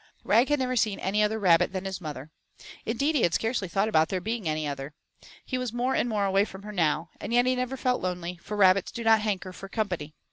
VII Rag had never seen any other rabbit than his mother. Indeed he had scarcely thought about there being any other. He was more and more away from her now, and yet he never felt lonely, for rabbits do not hanker for company.